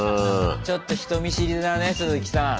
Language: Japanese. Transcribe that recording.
ちょっと人見知りだねすずきさん。